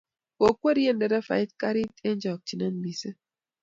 kikwerie nderefaindet karit eng chokchinet missing